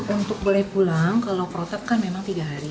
untuk boleh pulang kalau protap kan memang tiga hari